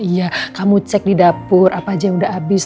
iya kamu cek di dapur apa aja yang udah habis